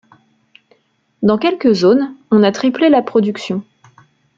Dans quelques zones, on a triplé la production.